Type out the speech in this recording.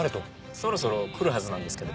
そろそろ来るはずなんですけど。